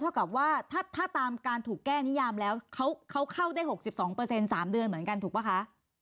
กับว่าถ้าตามการถูกแก้นิยามแล้วเขาเข้าได้๖๒๓เดือนเหมือนกันถูกป่ะคะ